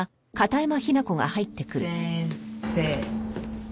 先生。